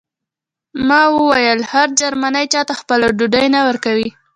ما وویل هر جرمنی چاته خپله ډوډۍ نه ورکوي